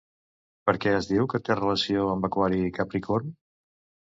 Per què es diu que té relació amb Aquari i Capricorn?